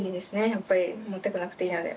やっぱり持ってこなくていいので。